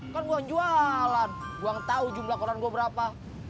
kan gue jualan gue tau jumlah koran gue berapa